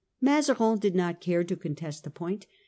Mazarin did not care to con test the point.